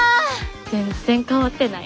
全然変わってない。